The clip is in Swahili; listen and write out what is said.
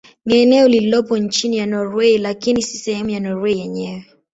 Ni eneo lililopo chini ya Norwei lakini si sehemu ya Norwei yenyewe.